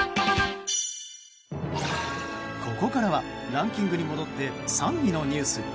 ここからはランキングに戻って３位のニュース。